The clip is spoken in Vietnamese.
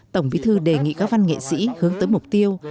tổng bí thư đề nghị các văn nghệ sĩ hướng tới mục tiêu